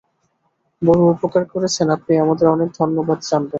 বড়ো উপকার করেছেন– আপনি আমাদের অনেক ধন্যবাদ জানবেন।